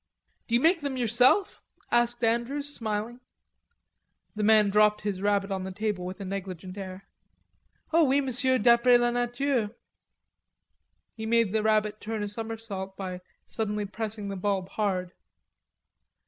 "Do you make them yourself?" asked Andrews, smiling. The man dropped his rabbit on the table with a negligent air. "Oh, oui, Monsieur, d'apres la nature." He made the rabbit turn a somersault by suddenly pressing the bulb hard.